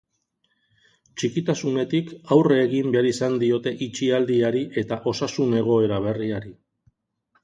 Txikitasunetik, aurre egin behar izan diote itxialdiari eta osasun-egoera berriari.